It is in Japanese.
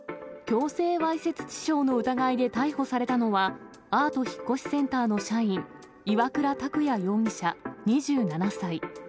強制わいせつ致傷の疑いで逮捕されたのは、アート引越センターの社員、岩倉拓弥容疑者２７歳。